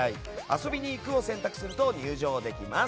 遊びに行くを選択すると入場できます。